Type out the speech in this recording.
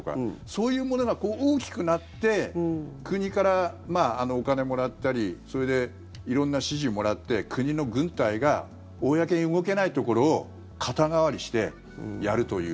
そういうものが大きくなって国からお金もらったりそれで色んな支持をもらって国の軍隊が公に動けないところを肩代わりして、やるという。